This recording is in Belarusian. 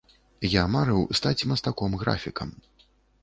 Я марыў стаць мастаком-графікам.